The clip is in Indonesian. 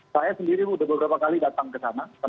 saya sendiri sudah beberapa kali datang ke sana